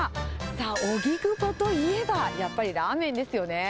さあ、荻窪といえば、やっぱりラーメンですよね。